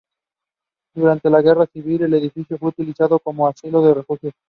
Durante la Guerra Civil el edificio fue utilizado como asilo de refugiados.